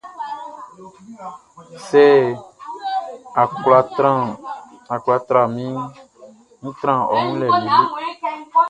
Sɛ a kwla tra minʼn, ń trán ɔ wun lɛ lele.